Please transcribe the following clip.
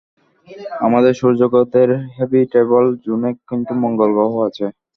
আমাদের সৌরজগৎ-এর হ্যাবিটেবল জোনে কিন্তু মঙ্গল গ্রহও আছে।